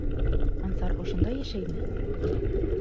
Ансар ошонда йәшәйме?